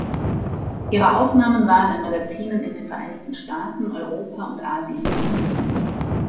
Ihre Aufnahmen waren in Magazinen in den Vereinigten Staaten, Europa und Asien veröffentlicht.